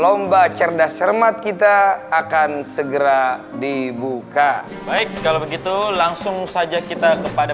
lomba cerdas cermat kita akan segera dibuka baik kalau begitu langsung saja kita kepada